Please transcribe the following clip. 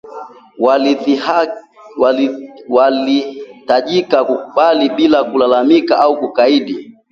Walihitajika kukubali bila kulalamika au kukaidi